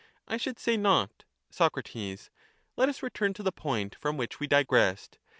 I should say not. Soc. Let us return to the point from which we digressed.